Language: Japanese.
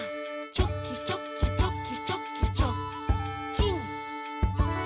「チョキチョキチョキチョキチョッキン！」